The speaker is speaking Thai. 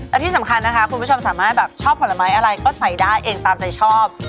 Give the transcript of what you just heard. และที่สำคัญนะคะคุณผู้ชมสามารถแบบชอบผลไม้อะไรก็ใส่ได้เองตามใจชอบ